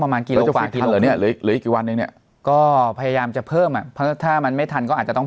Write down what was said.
ประมาณกิโลกว่าก็พยายามจะเพิ่มถ้ามันไม่ทันก็อาจจะต้อง